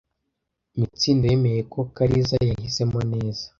Mitsindo yemera ko Kariza yahisemo neza.